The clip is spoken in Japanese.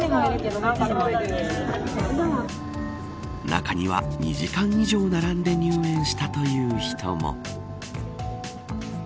中には、２時間以上並んで入園したという人も。